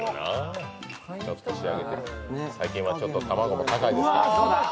最近は卵も高いですから。